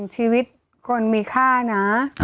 ชีวิตคนมีค่านะ